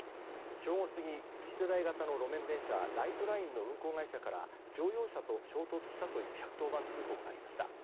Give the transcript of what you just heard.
正午過ぎ、次世代型の路面電車ライトラインの運行会社から乗用車と衝突したと１１０番通報がありました。